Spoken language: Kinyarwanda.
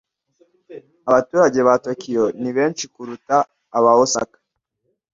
Abaturage ba Tokiyo ni benshi kuruta aba Osaka.